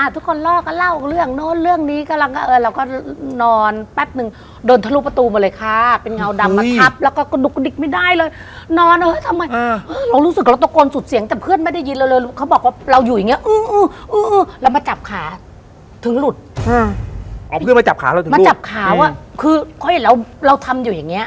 ถึงหลุดอ๋อเพื่อมาจับขาแล้วถึงหลุดมาจับขาว่าคือเขาเห็นแล้วเราทำอยู่อย่างเงี้ย